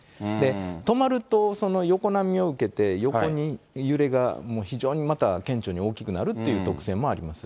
止まると、横波を受けて、横に揺れがもう非常にまた顕著に大きくなるという特性もあります。